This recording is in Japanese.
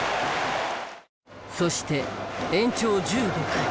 そして延長１５回。